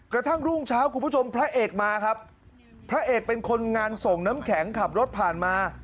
กระทั่งรุ่งเช้าคุณผู้ชมพระเอกมาครับพระเอกเป็นคนงานส่งน้ำแข็งขับรถผ่านมา